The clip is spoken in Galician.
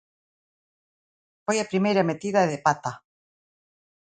Foi a primeira metida de pata.